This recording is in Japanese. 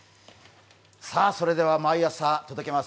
それでは、毎朝届けます